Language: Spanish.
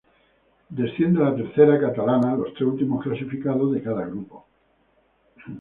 Descienden a la Tercera Catalana los tres últimos clasificados de cada grupo.